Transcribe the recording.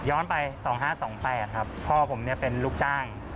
ไป๒๕๒๘ครับพ่อผมเป็นลูกจ้าง